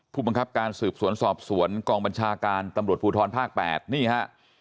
ผู้บังคับการสืบสวนสอบสวนกองบัญชาการตำรวจภูทรภาค๘นี่ฮะ